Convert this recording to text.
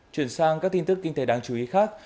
chuyển sang các tin tức kinh tế đáng chú ý khác